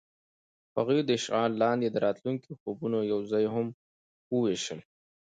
هغوی د شعله لاندې د راتلونکي خوبونه یوځای هم وویشل.